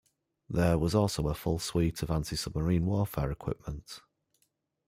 There was also a full suite of anti-submarine warfare equipment.